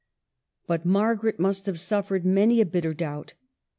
But Margaret must have suffered many a bitter doubt.